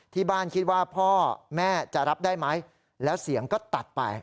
ที่บ้านคิดว่าพ่อแม่จะรับได้ไหมแล้วเสียงก็ตัดไป